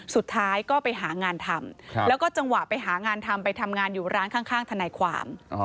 สุดท้ายก็ไปหางานทำแล้วก็จังหวะไปหางานทำไปทำงานอยู่ร้านข้างทนายความ